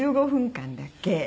１５分間だけ。